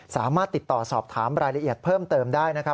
สามารถติดต่อสอบถามรายละเอียดเพิ่มเติมได้นะครับ